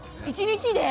１日で？